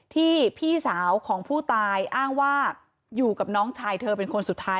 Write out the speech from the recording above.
พี่สาวของผู้ตายอ้างว่าอยู่กับน้องชายเธอเป็นคนสุดท้าย